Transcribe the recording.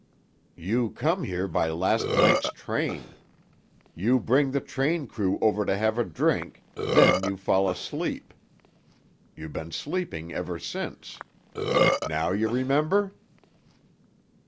"You come here by last night's train. You bring the train crew over to have a drink; then you fall asleep. You been sleeping ever since. Now you remember?"